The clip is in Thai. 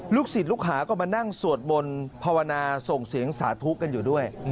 ศิษย์ลูกหาก็มานั่งสวดมนต์ภาวนาส่งเสียงสาธุกันอยู่ด้วย